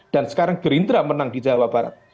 dan sekarang gerindra menang di jawa barat